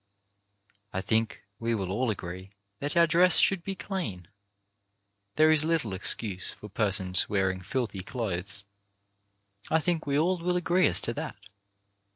I think we will all agree that our dress should be clean. There is little excuse for persons wear ing filthy clothes — I think we all will agree as to that.